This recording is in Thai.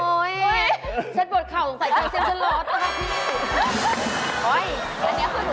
โอ๊ยฉันหมดข่าวตรงใส่เทียมฉันล้อต้องค่ะพี่